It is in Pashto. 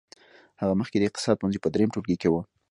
هغه مخکې د اقتصاد پوهنځي په دريم ټولګي کې وه.